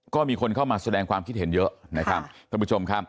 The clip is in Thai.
ก็มีคนเข้ามาแสดงความคิดเห็นเยอะนะครับ